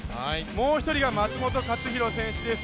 もう１人が松元克央選手です。